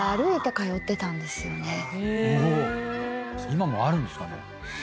今もあるんですかね？